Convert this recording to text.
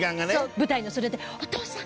舞台の袖でお父さん！